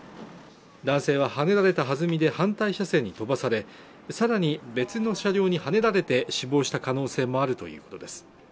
男性ははねられたはずみで反対車線に飛ばされさらに別の車両にはねられて死亡した可能性もあるということです